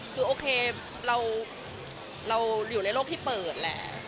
คือโอเคเราอยู่ในโลกที่เปิดแหละ